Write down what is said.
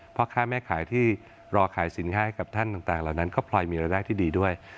พ่อค้าแม่ขายที่รอขายสินค้าให้กับท่านต่างเหล่านั้นก็พลอยมีรายได้ที่ดีด้วย